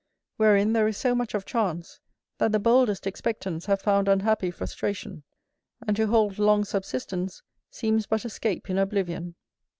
Wherein there is so much of chance, that the boldest expectants have found unhappy frustration; and to hold long subsistence, seems but a scape in oblivion.